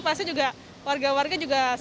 pasti juga warga warga juga